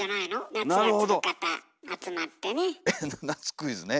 クイズね。